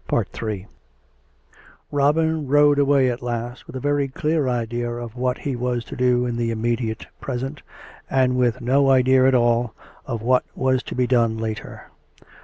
... Ill Robin rode away at last with a very clear idea of what he was to do in the immediate present, and with no idea at all of what was to be done later.